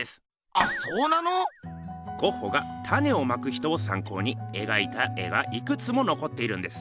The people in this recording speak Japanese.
あっそうなの⁉ゴッホが「種をまく人」をさんこうに描いた絵がいくつものこっているんです。